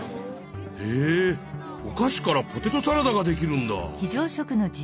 へえおかしからポテトサラダができるんだ！